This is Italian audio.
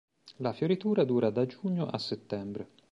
La fioritura dura da giugno a settembre.